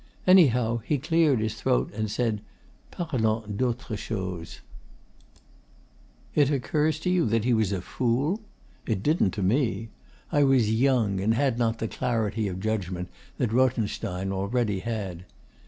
Anyhow, he cleared his throat and said 'Parlons d'autre chose.' It occurs to you that he was a fool? It didn't to me. I was young, and had not the clarity of judgment that Rothenstein already had.